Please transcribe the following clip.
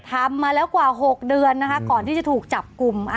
ทำมาแล้วกว่า๖เดือนนะคะก่อนที่จะถูกจับกลุ่ม